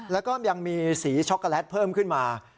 แล้วก็ยังมีสีช็อกโกแลตเพิ่มขึ้นมา